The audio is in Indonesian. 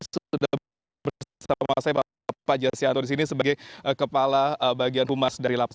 sudah bersama saya pak jassiano di sini sebagai kepala bagian humas dari lapan